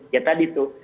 ya tadi tuh